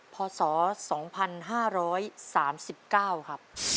พศ๒๕๓๙ครับ